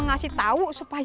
jangan lupa ya